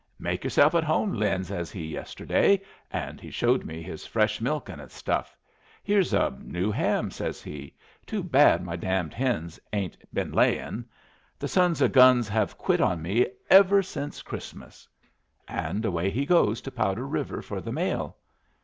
'Make yourself at home, Lin,' says he, yesterday. And he showed me his fresh milk and his stuff. 'Here's a new ham,' says he; 'too bad my damned hens ain't been layin'. The sons o'guns have quit on me ever since Christmas.' And away he goes to Powder River for the mail.